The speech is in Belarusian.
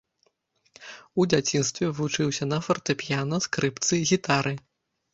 У дзяцінстве вучыўся на фартэпіяна, скрыпцы, гітары.